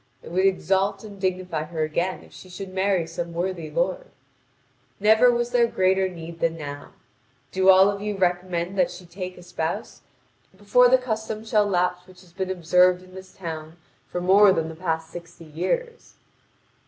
It would exalt and dignify her again if she should marry some worthy lord. Never was there greater need than now; do all of you recommend that she take a spouse, before the custom shall lapse which has been observed in this town for more than the past sixty years."